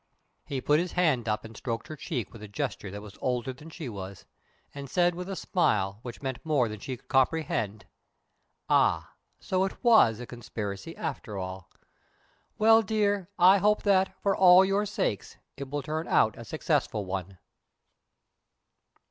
He put his hand up and stroked her cheek with a gesture that was older than she was, and said with a smile which meant more than she could comprehend: "Ah! so it was a conspiracy, after all! Well, dear, I hope that, for all your sakes, it will turn out a successful one."